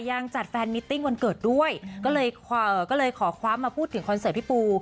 ยังจัดแฟนมิตติ้งวันเกิดด้วยก็เลยขอคว้ามาพูดถึงคอนเสิร์ตพี่ปู